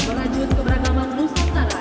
merajut keberagaman nusantara